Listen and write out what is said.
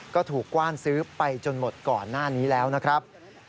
ก็ถูกกว้านซื้อไปจนหมดก่อนหน้านี้แล้วนะครับ